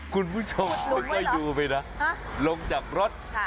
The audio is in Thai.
คุณผู้ชมคุณก็ดูไปนะลงจากรถ